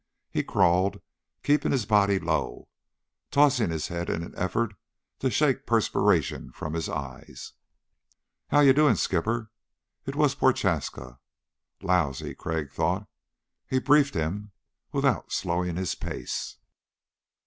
He crawled, keeping his body low, tossing his head in an effort to shake the perspiration from his eyes. "How you doing, skipper?" It was Prochaska. Lousy, Crag thought. He briefed him without slowing his pace.